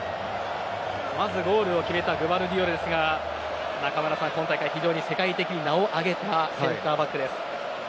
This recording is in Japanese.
まずゴールを決めたグヴァルディオルですが今大会、非常に世界的に名を上げたセンターバックです。